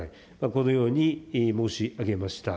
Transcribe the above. このように申し上げました。